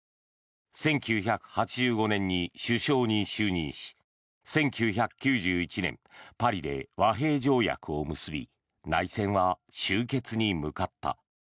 １９８５年に首相に就任し１９９１年パリで和平条約を結び内戦は終結に向かった。